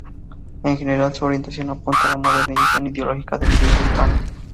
En general, su orientación apunta a la modernización ideológica de la Iglesia hispana.